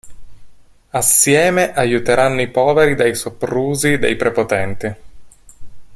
Assieme, aiuteranno i poveri dai soprusi dei prepotenti.